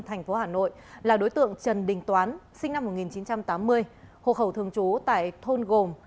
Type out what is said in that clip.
thành phố hà nội là đối tượng trần đình toán sinh năm một nghìn chín trăm tám mươi hộ khẩu thường trú tại thôn gồm